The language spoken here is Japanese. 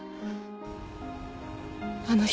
あの人